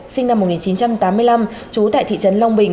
sinh năm một nghìn chín trăm tám mươi năm trú tại thị trấn long bình